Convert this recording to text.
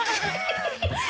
ハハハ